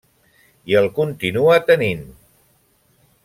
I el continua tenint.